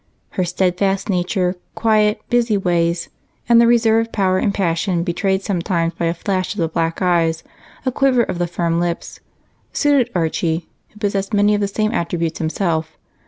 Her steadfast nature, quiet, busy ways, and the reserved power and passion betrayed sometimes by a flash of the black eyes, a quiver of the firm lips, suited Archie, who possessed many of the same attributes himself.